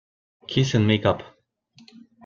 Kiss and make up.